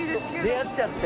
出会っちゃって。